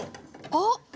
あっ！